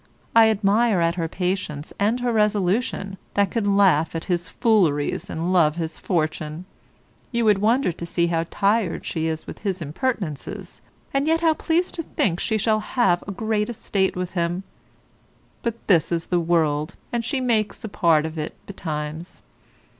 I admire at her patience and her resolution that can laugh at his fooleries and love his fortune. You would wonder to see how tired she is with his impertinences, and yet how pleased to think she shall have a great estate with him. But this is the world, and she makes a part of it betimes.